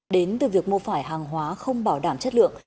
đến từ việc mua phải hàng hóa không bảo đảm chất lượng